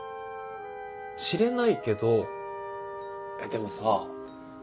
しれないけどでもさ。